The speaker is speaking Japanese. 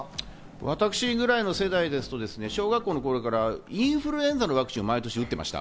私ぐらいの世代ですと、小学校の頃からインフルエンザのワクチンを毎年打ってました。